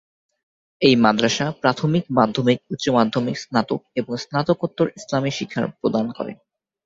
এই মাদ্রাসা প্রাথমিক, মাধ্যমিক, উচ্চমাধ্যমিক, স্নাতক, এবং স্নাতকোত্তর ইসলামী শিক্ষা প্রদান করে।